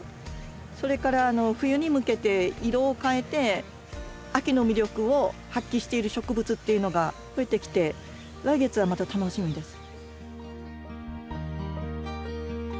それから冬に向けて色を変えて秋の魅力を発揮している植物っていうのが増えてきて来月はまた楽しみです。